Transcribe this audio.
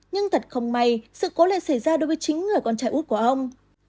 nhưng thật không may sự cố lại xảy ra đối với chính người con trai út của ông